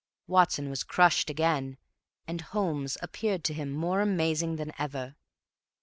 Watson was crushed again, and Holmes appeared to him more amazing than ever.